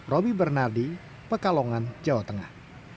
roby bernardi pekalongan jawa tengah